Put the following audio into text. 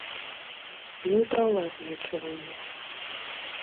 Ну і пра ўласныя адчуванні.